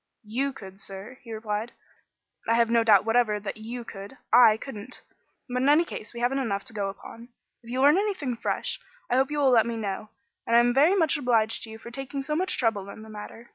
"You could, sir," he replied. "I have no doubt whatever that you could. I couldn't. But, in any case, we haven't enough to go upon. If you learn anything fresh, I hope you will let me know; and I am very much obliged to you for taking so much trouble in the matter.